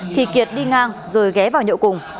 thì kiệt đi ngang rồi ghé vào nhậu cùng